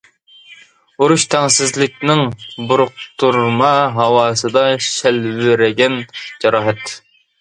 ئۇرۇش تەڭسىزلىكنىڭ بۇرۇقتۇرما ھاۋاسىدا شەلۋەرىگەن جاراھەت.